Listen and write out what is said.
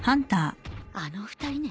あの２人ね。